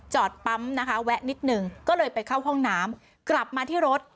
ปั๊มนะคะแวะนิดนึงก็เลยไปเข้าห้องน้ำกลับมาที่รถ